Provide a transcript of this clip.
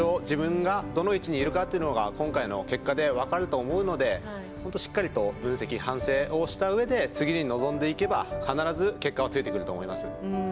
自分がどの位置にいるかが今回の結果で分かると思うのでしっかりと分析や反省をしたうえで次に臨んでいけば必ず結果はついてくると思います。